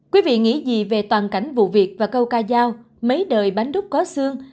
quý vị nghĩ gì về toàn cảnh vụ việc và câu ca giao mấy đời bánh đúc có xương